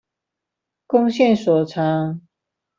貢獻所長